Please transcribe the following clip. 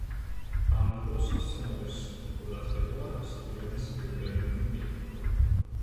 ამ დროს სცენარის ყურადღება სტივენ სპილბერგმა მიიპყრო.